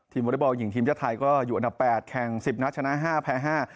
วอเล็กบอลหญิงทีมชาติไทยก็อยู่อันดับแปดแข่งสิบนัดชนะห้าแพ้ห้า